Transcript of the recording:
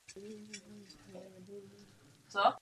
Podle tvaru pláště a místa vzniku se nazývaly Norimberské vejce.